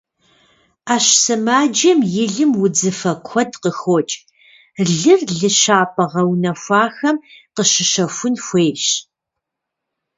Ӏэщ сымаджэм и лым узыфэ куэд къыхокӏ, лыр лыщапӏэ гъэунэхуахэм къыщыщэхун хуейщ.